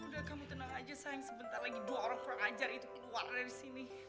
udah kamu tenang aja sayang sebentar lagi dua orang pengajar itu keluar dari sini